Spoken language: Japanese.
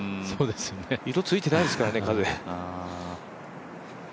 色ついてないですからね、風。